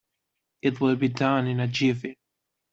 It will be done in a jiffy.